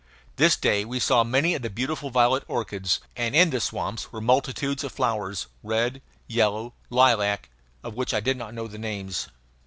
This day we saw many of the beautiful violet orchids; and in the swamps were multitudes of flowers, red, yellow, lilac, of which I did not know the names.